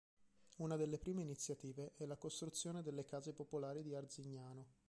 Una delle prime iniziative è la costruzione delle case popolari di Arzignano.